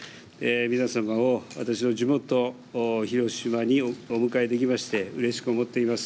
皆様を私の地元、広島にお迎えできましてうれしく思っています。